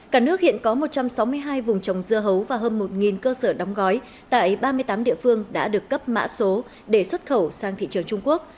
cả nước hiện có một trăm sáu mươi hai vùng trồng dưa hấu và hơn một cơ sở đóng gói tại ba mươi tám địa phương đã được cấp mã số để xuất khẩu sang thị trường trung quốc